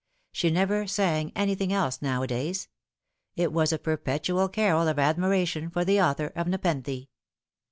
She never pang anything else nowadays. It was a perpetual carol of admiration for the author of Nepenthe.